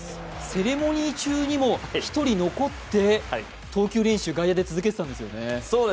セレモニー中にも１人残って投球練習を続けていたんですよね。